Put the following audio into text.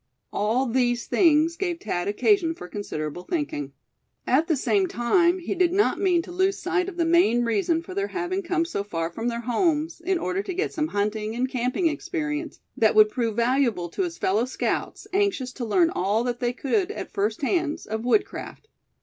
All these things gave Thad occasion for considerable thinking. At the same time he did not mean to lose sight of the main reason for their having come so far from their homes, in order to get some hunting, and camping experience, that would prove valuable to his fellow scouts, anxious to learn all that they could at first hands, of wood craft.